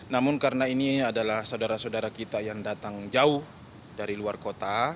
namun karena ini adalah saudara saudara kita yang datang jauh dari luar kota